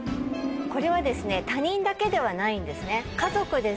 これは他人だけではないんですね。